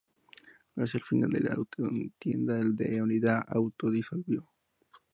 Hacia el final de la contienda la unidad se autodisolvió.